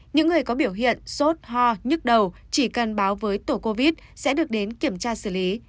những người có biểu hiện sốt ho nhức đầu chỉ cần báo với tổ covid sẽ được đến kiểm tra xử lý